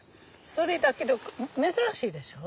それだけど珍しいでしょ？